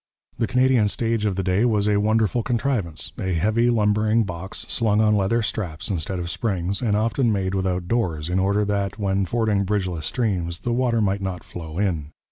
The Canadian stage of the day was a wonderful contrivance, a heavy lumbering box, slung on leather straps instead of springs, and often made without doors in order that, when fording bridgeless streams, the water might not flow in.